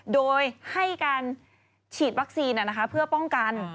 โดยให้การฉีดวัคซีนเพื่อป้องกัน